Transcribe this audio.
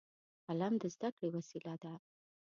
قلم د زده کړې وسیله ده